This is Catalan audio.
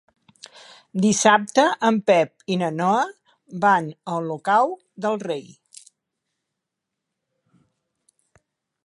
Dissabte en Pep i na Noa van a Olocau del Rei.